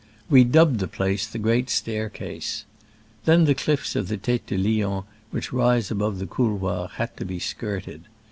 We dubbed the place "The Great Stair case." Then the cliffs of the Tete du Lion, which rise above the couloir, had to be skirted.